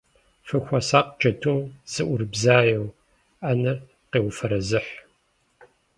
Фыхуэсакъ, джэдум, зыӏурыбзаеу, ӏэнэр къеуфэрэзыхь.